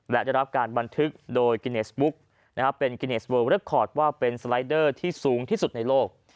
และจะรับการบันทึกโดยกริเนสบุธนะครับเป็นเป็นสไลเดอร์ที่สูงที่สุดในโลก